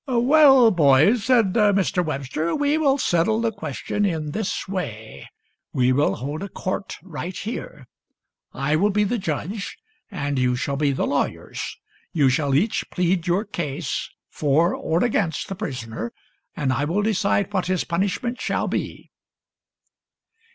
" Well, boys," said Mr. Webster, " we will settle the question in this way. We will hold a court right here. I will be the judge, and you shall be the WEBSTER AND THE WOODCHUCK 65 lawyers. You shall each plead your case, for or against the prisoner, and I will decide what his punishment shall be."